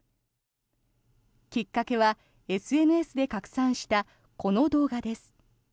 きっかけはＳＮＳで拡散したこの動画です。